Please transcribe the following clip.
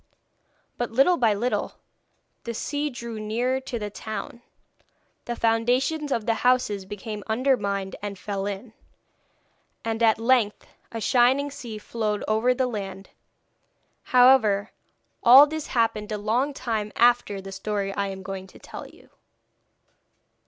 But little by little the sea drew nearer to the town; the foundations of the houses became undermined and fell in, and at length a shining sea flowed over the land. However, all this happened a long time after the story I am going to tell you.